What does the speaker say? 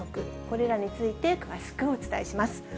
これらについて詳しくお伝えします。